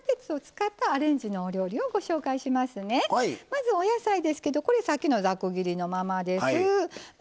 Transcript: まずお野菜ですけどこれさっきのザク切りのままです。